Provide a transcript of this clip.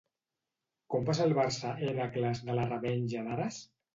Com va salvar-se Hèracles de la revenja d'Ares?